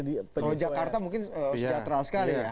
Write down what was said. kalau jakarta mungkin sejahtera sekali ya